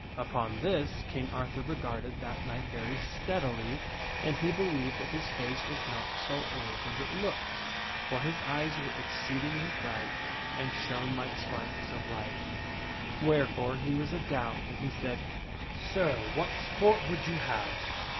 Upon this King Arthur regarded that knight ^f^ 1 ' very steadily and he believed that his face was not so old Arthur to an as it looked; for his eyes were exceedingly bright and * shone like sparks of light ; wherefore he was a doubt and he said, " Sir, what sport would you have?"